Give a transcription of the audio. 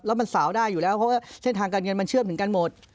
แล้วมันสาวได้อยู่แล้วเพราะว่าเส้นทางการเงินมันเชื่อมถึงกันหมด